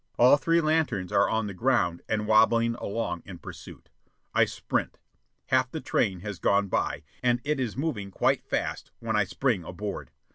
All three lanterns are on the ground and wobbling along in pursuit. I sprint. Half the train has gone by, and it is going quite fast, when I spring aboard.